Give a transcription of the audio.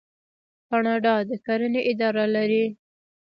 کاناډا د کرنې اداره لري.